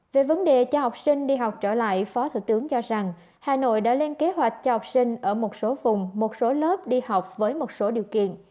về vấn đề cho học sinh đi học trở lại phó thủ tướng cho rằng hà nội đã lên kế hoạch cho học sinh ở một số vùng một số lớp đi học với một số điều kiện